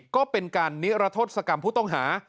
ก็เป็นการนิรทศกรรมผู้ต้องหา